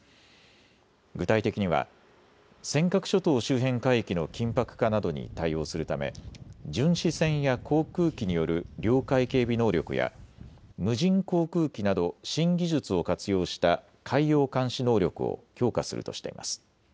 具体的には尖閣諸島周辺海域の緊迫化などに対応するため巡視船や航空機による領海警備能力や無人航空機など新技術を活用した海洋監視能力を強化するとしています。